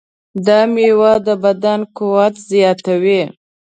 دا مېوه د بدن قوت زیاتوي.